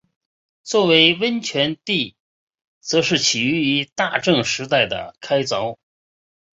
作为温泉地则是起于大正时代的开凿。